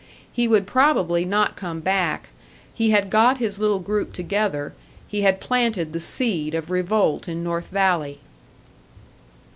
He would probably not come back; he had got his little group together, he had planted the seed of revolt in North Valley.